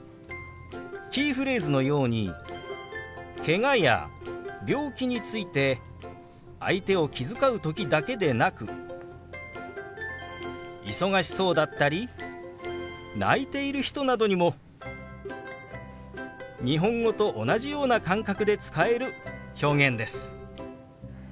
キーフレーズのようにけがや病気について相手を気遣う時だけでなく忙しそうだったり泣いている人などにも日本語と同じような感覚で使える表現です。